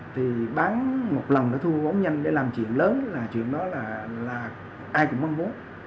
thì bán một lòng nó thu góng nhanh để làm chuyện lớn là chuyện đó là ai cũng mong muốn